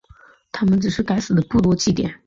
它们只是该死的部落祭典。